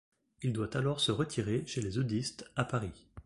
Il doit alors se retirer chez les Eudistes à Paris.